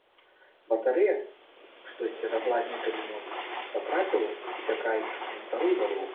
Батарэя, што сцерагла некалі мост, патрапіла, уцякаючы, на старую дарогу.